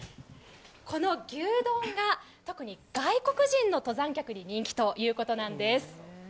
この牛丼が特に外国人の登山客に人気ということなんです。